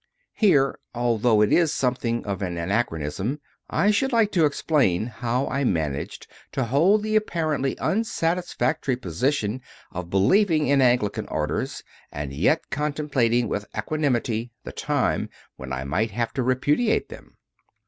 3. Here, although it is something of an anach ronism, I should like to explain how I managed to hold the apparently unsatisfactory position of believing in Anglican Orders and yet contemplating with equanimity the time when I might have to repudiate them.